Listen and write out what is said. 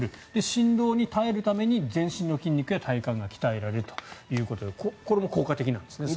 振動に耐えるために全身の筋肉や体幹が鍛えられるということでこれも効果的なんですね。